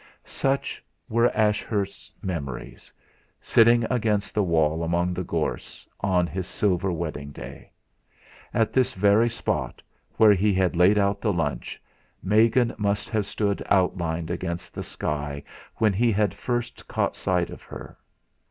Such were Ashurst's memories, sitting against the wall among the gorse, on his silver wedding day. At this very spot, where he had laid out the lunch, Megan must have stood outlined against the sky when he had first caught sight of her.